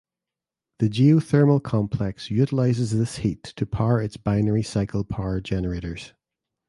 The geothermal complex utilizes this heat to power its binary cycle power generators.